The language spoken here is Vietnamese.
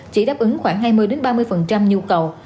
chỉ đáp ứng khoảng hai mươi ba mươi nhu cầu